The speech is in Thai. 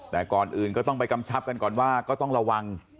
แต่ก่อนอื่นก็ต้องไปกำชับกันก่อนว่าก็ต้องระวัง